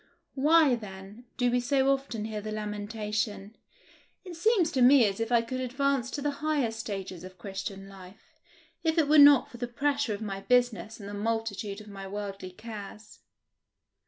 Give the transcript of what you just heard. Why, then, do we so often hear the lamentation, "It seems to me as if I could advance to the higher stages of Christian life, if it were not for the pressure of my business and the multitude of my worldly cares"?